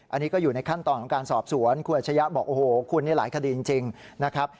อันนี้ก็อยู่ในขั้นตอนของการสอบสวนคุณอัชยะบอกโอ้โหคุณนี่หลายคดีจริงนะครับ